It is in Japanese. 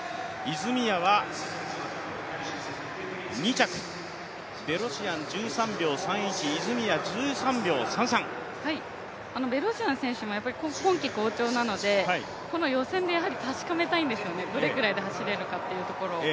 泉谷は２着、ベロシアン１３秒３１、泉谷１３秒３３ベロシアン選手も今季好調なのでこの予選で確かめたいんですよね、どれくらいで走れるかというところを。